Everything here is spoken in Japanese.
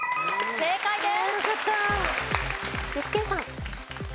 正解です。